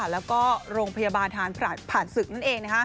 แล้วก็โรงพยาบาลฐานผ่านศึกนั่นเอง